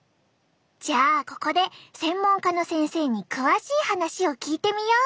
じゃあここで専門家の先生に詳しい話を聞いてみよう。